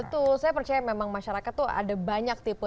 betul saya percaya memang masyarakat itu ada banyak